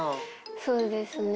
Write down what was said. そうですね。